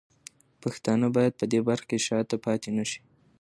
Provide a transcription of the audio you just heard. پښتانه باید په دې برخه کې شاته پاتې نه شي.